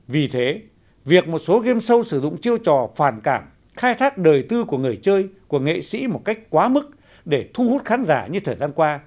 vì thế việc một số game show sử dụng chiêu trò phản cảm khai thác đời tư của người chơi của nghệ sĩ một cách quá mức để thu hút khán giả như thời gian qua